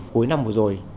cuối năm vừa rồi